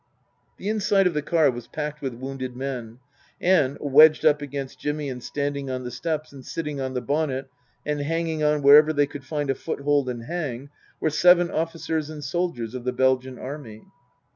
The inside of the car was packed with wounded men ; and, wedged up against Jimmy, and standing on the steps, and sitting on the bonnet, and hanging on wherever they could find a foothold and hang, were seven officers and soldiers of the Belgian Army.